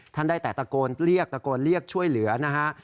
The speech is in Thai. ได้แต่ตะโกนเรียกตะโกนเรียกช่วยเหลือนะฮะ